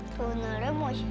tuh nore mosya